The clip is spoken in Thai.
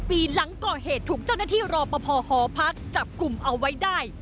ปีหลังก่อเหตุถูกเจ้าหน้าที่รอปภหอพักจับกลุ่มเอาไว้ได้